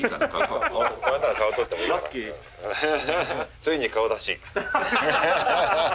ついに顔出し。